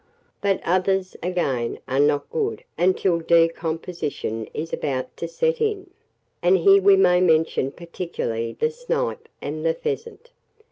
But others, again, are not good until decomposition is about to set in; and here we may mention particularly the snipe and the pheasant.